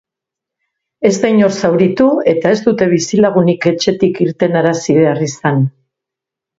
Ez da inor zauritu, eta ez dute bizilagunik etxetik irtenarazi behar izan.